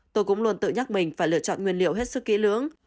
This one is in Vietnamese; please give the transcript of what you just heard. tôi cũng luôn tự nhắc mình phải lựa chọn nguyên liệu hết sức kỹ lưỡng